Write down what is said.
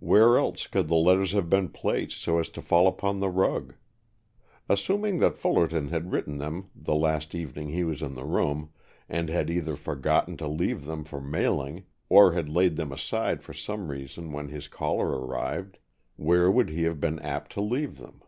Where else could the letters have been placed, so as to fall upon the rug? Assuming that Fullerton had written them the last evening he was in the room, and had either forgotten to leave them for mailing, or had laid them aside for some reason when his caller arrived, where would he have been apt to leave them?